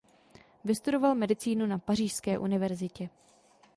Vystudoval medicínu na Pařížské univerzitě.